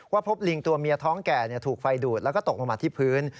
พบลิงตัวเมียท้องแก่ถูกไฟดูดแล้วก็ตกลงมาที่พื้น